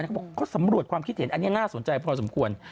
เขาบอกเขาสำรวจความคิดเห็นอันนี้น่าสนใจพอสมควร